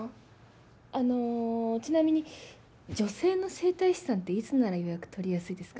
あのちなみに女性の整体師さんっていつなら予約取りやすいですかね？